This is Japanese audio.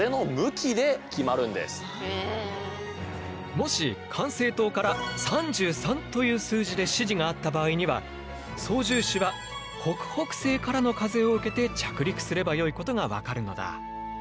もし管制塔から「３３」という数字で指示があった場合には操縦士は北北西からの風を受けて着陸すればよいことが分かるのだ。